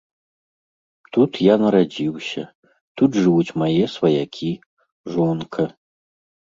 Тут я нарадзіўся, тут жывуць мае сваякі, жонка.